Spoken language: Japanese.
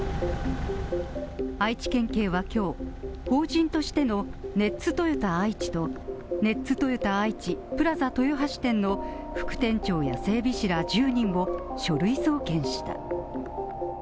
愛知県警は今日、法人としてのネッツトヨタ愛知と、ネッツトヨタ愛知プラザ豊橋店の副店長や整備士ら１０人を書類送検した。